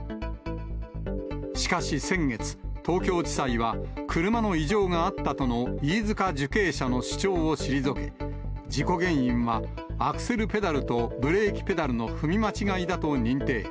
しかし先月、東京地裁は車の異常があったとの飯塚受刑者の主張を退け、事故原因はアクセルペダルとブレーキペダルの踏み間違いだと認定。